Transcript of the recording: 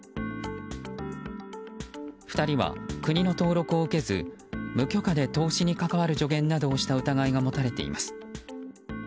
２人は国の登録を受けず無許可で投資に関わる助言などをした疑いが持たれています。